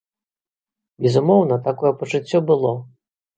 Безумоўна, такое пачуццё было.